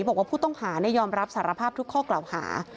บอกว่าผู้ต้องหายอมรับสารภาพทุกข้อกล่าวหา